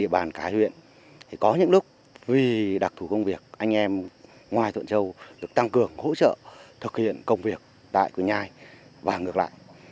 bàn cái huyện thì có những lúc vì đặc thù công việc anh em ngoài thuận châu được tăng cường hỗ trợ thực hiện công việc tại quỳnh nhai và ngược lại